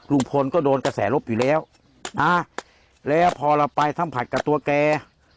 ลุงพลก็โดนกระแสลบอยู่แล้วแล้วพอเราไปสัมผัสกับตัวแก